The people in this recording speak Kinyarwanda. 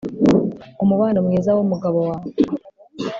umubano mwiza w'umugabo n'umugore